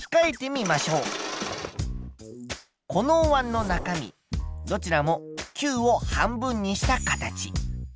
このおわんの中身どちらも球を半分にした形。